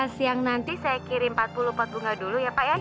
siang nanti saya kirim empat puluh pot bunga dulu ya pak ya